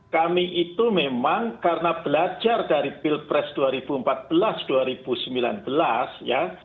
kami itu memang karena belajar dari pilpres dua ribu empat belas dua ribu sembilan belas ya